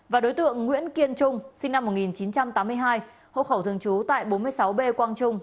và đối tượng nguyễn kiên trung sinh năm một nghìn chín trăm tám mươi hai hộ khẩu thường trú tại bốn mươi sáu b quang trung